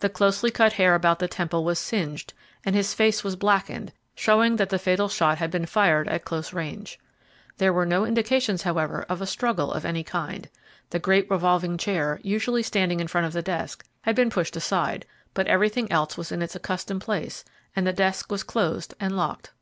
The closely cut hair about the temple was singed and his face was blackened, showing that the fatal shot had been fired at close range. There were no indications, however, of a struggle of any kind; the great revolving chair, usually standing in front of the desk, had been pushed aside, but everything else was in its accustomed place, and the desk was closed and locked.